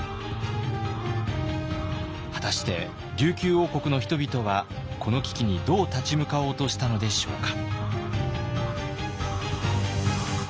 果たして琉球王国の人々はこの危機にどう立ち向かおうとしたのでしょうか。